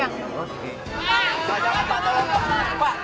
bajak bajak tolong pak